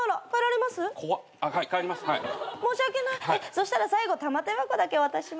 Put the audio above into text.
そしたら最後玉手箱だけお渡しします。